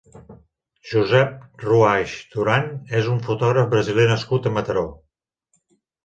Josep Ruaix Duran és un fotògraf brasiler nascut a Mataró.